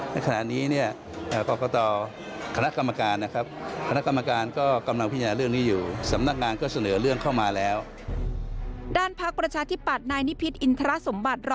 ในขณะนี้กกตขนักกรรมการ